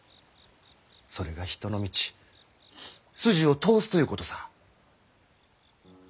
それが人の道筋を通すということさぁ。